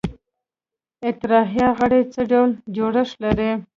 اطراحیه غړي څه ډول جوړښت لري؟